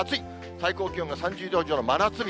最高気温が３０度以上の真夏日。